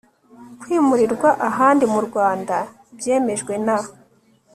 kwimurirwa ahandi mu Rwanda byemejwe na